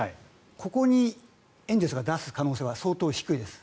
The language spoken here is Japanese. ここにエンゼルスが出す可能性は相当低いです。